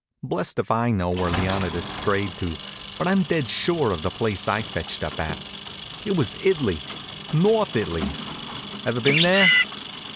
Blessed if I know where Leonidas strayed to, but I'm dead sure of the place I fetched up at. It was It'ly, North It'ly. Ever been there?